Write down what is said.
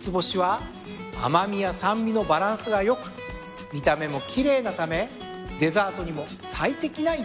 つぼしは甘味や酸味のバランスが良く見た目も奇麗なためデザートにも最適なイチゴです。